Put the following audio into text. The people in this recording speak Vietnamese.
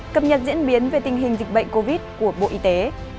cập nhật diễn biến về tình hình dịch bệnh covid của bộ y tế